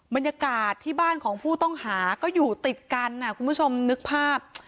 บรรยากาศที่บ้านของผู้ต้องหาก็อยู่ติดกันคุณผู้ชมนึกภาพ